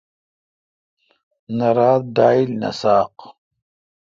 نہ رات ڈاییل نہ ساق۔